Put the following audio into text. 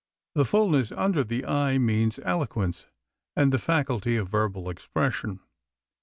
The fullness under the eye means eloquence and the faculty of verbal expression.